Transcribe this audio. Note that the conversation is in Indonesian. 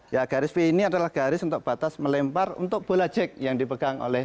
ya garis v ini adalah garis untuk batas melempar untuk bola jack yang dipegang oleh